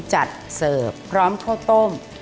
จัดเสิร์ฟพร้อมเข้าต้ม